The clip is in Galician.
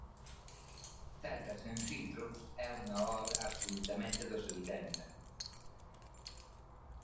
"Celtas sen filtro" é unha obra absolutamente dos oitenta.